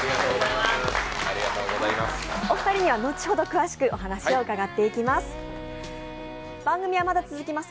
お二人には後ほど詳しくお話を伺っていきます。